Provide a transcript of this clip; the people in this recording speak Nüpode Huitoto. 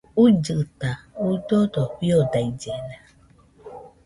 Uillɨta, uidodo fiodaillena